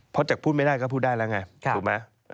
เพราะจากพูดไม่ได้ก็พูดได้แล้วไงถูกไหม